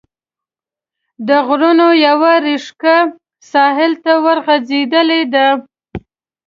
د غرونو یوه ريښکه ساحل ته ورغځېدلې ده.